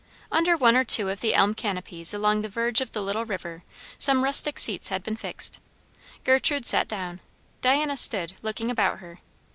Under one or two of the elm canopies along the verge of the little river some rustic seats had been fixed. Gertrude sat down. Diana stood, looking about her.